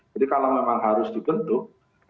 jadi kalau memang harus dibentuk